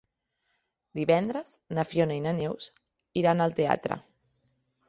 Divendres na Fiona i na Neus iran al teatre.